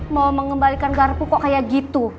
mau mengembalikan garpu kok kayak gitu